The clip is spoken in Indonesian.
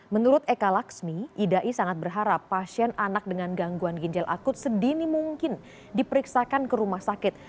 menurut eka laksmi hidayi sangat berharap pasien anak dengan gangguan ginjal akut sedini mungkin diperiksakan ke rumah sakit